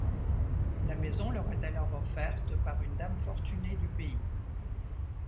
La maison leur est alors offerte par une dame fortunée du pays.